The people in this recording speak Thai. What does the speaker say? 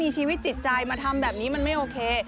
ชีวิตจิตใจมาทำแบบนี้มันไม่โอเค